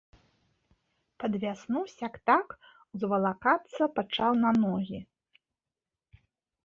Пад вясну сяк-так узвалакацца пачаў на ногі.